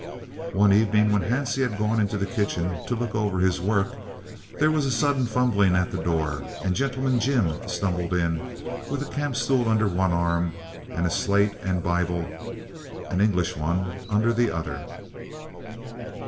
One evening when Hansie had gone into the kitchen to look over his work, there was a sudden fumbling at the door and "Gentleman Jim" stumbled in with a campstool under one arm and a slate and Bible, an English one, under the other.